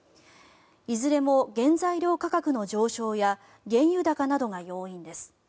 いずれも原材料価格の上昇や原油高などが要因です。